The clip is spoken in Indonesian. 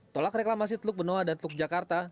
tolak reklamasi teluk benoa dan teluk jakarta